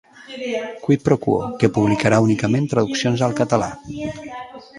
Quid pro Quo, que publicarà únicament traduccions al català.